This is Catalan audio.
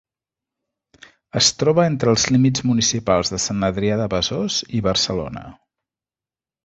Es troba entre els límits municipals de Sant Adrià de Besòs i Barcelona.